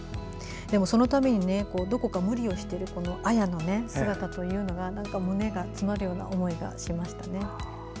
でも、そのためにどこか無理をしている亜耶の姿は胸が詰まるような思いがしましたね。